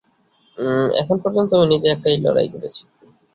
এখন পর্যন্ত আমি নিজে একা লড়াই করেছি।